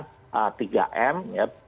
tiga m perlaksanaan protokol kesehatan